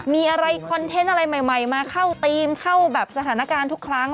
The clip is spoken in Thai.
มีอะไรคอนเทนต์อะไรใหม่มาเข้าทีมเข้าแบบสถานการณ์ทุกครั้ง